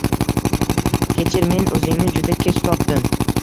Kechir, men o‘zingni juda kech topdim.